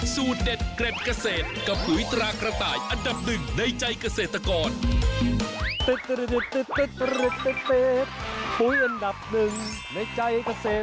สูตรเด็ดเกร็ดกระเศษ